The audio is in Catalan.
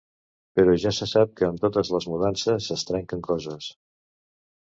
Però ja se sap que en totes els mudances es trenquen coses.